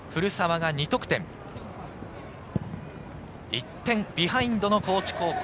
１点ビハインドの高知高校。